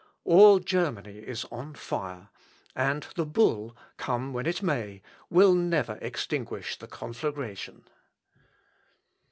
All Germany is on fire, and the bull, come when it may, never will extinguish the conflagration.